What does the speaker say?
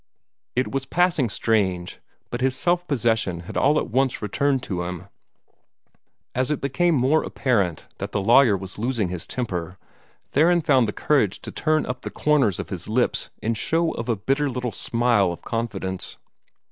It was passing strange, but his self possession had all at once returned to him. As it became more apparent that the lawyer was losing his temper, Theron found the courage to turn up the corners of his lips in show of a bitter little smile of confidence.